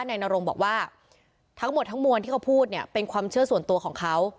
นายนรงบอกว่าทั้งหมดทั้งมวลที่เขาพูดเนี่ยเป็นความเชื่อส่วนตัวของเขา